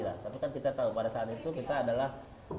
tapi kan kita tahu pada saat itu kita adalah